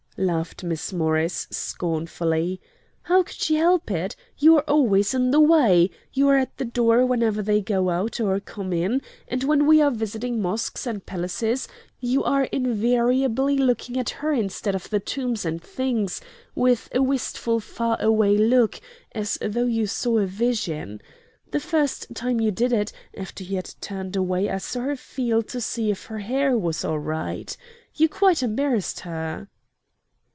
laughed Miss Morris, scornfully. "How could she help it? You are always in the way. You are at the door whenever they go out or come in, and when we are visiting mosques and palaces you are invariably looking at her instead of the tombs and things, with a wistful far away look, as though you saw a vision. The first time you did it, after you had turned away I saw her feel to see if her hair was all right. You quite embarrassed her."